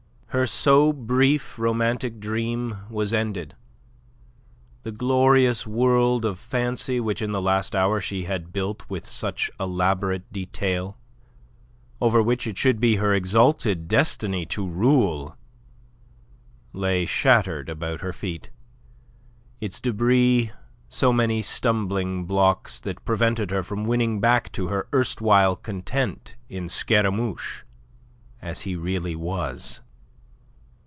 Her so brief romantic dream was ended. The glorious world of fancy which in the last hour she had built with such elaborate detail, over which it should be her exalted destiny to rule, lay shattered about her feet, its debris so many stumbling blocks that prevented her from winning back to her erstwhile content in Scaramouche as he really was.